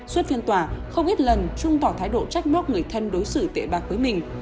suốt phiên tòa không ít lần trung bỏ thái độ trách móc người thân đối xử tệ bạc với mình